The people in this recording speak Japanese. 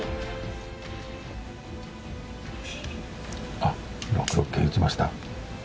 あっ、６六桂打ちました。